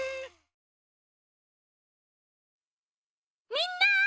みんな！